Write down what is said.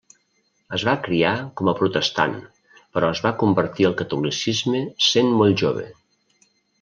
Es va criar com a protestant però es va convertir al catolicisme sent molt jove.